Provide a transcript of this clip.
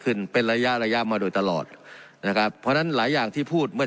เป็นระยะระยะมาโดยตลอดนะครับเพราะฉะนั้นหลายอย่างที่พูดเมื่อ